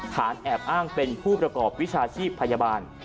แอบอ้างเป็นผู้ประกอบวิชาชีพพยาบาล